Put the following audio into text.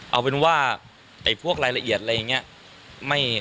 เอาเป็นว่าพวกรายละเอียดอะไรอย่างนี้